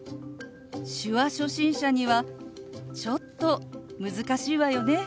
手話初心者にはちょっと難しいわよね。